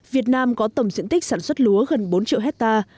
việt nam có tổng diện tích sản xuất lúa gần bốn triệu hectare